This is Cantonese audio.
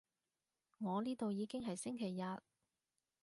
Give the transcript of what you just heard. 我呢度已經係星期日